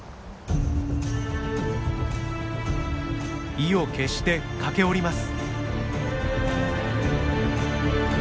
意を決して駆け下ります。